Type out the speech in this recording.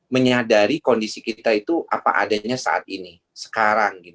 menyadari kondisi kita itu apa adanya saat ini sekarang